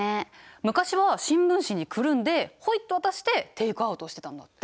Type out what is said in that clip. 昔は新聞紙にくるんでホイッと渡してテイクアウトをしてたんだって。